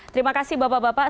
terima kasih bapak bapak